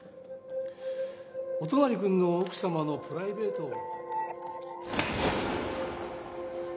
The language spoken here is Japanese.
乙成くんの奥様のプライベートを。